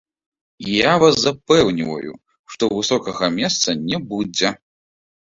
Я вас запэўніваю, што высокага месца не будзе.